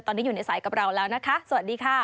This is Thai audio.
ตอนนี้อยู่ในสายกับเราแล้วนะคะสวัสดีค่ะ